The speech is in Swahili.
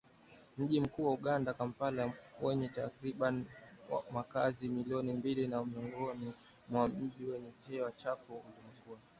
Mji mkuu wa Uganda, Kampala wenye takribani wakazi milioni mbili ni miongoni mwa miji yenye hewa chafu ulimwenguni